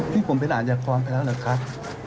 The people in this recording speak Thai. นี่ผมเป็นอายากรไปแล้วเหรอครับ